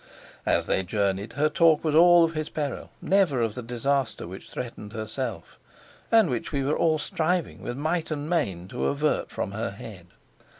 As they journeyed her talk was all of his peril, never of the disaster which threatened herself, and which we were all striving with might and main to avert from her head.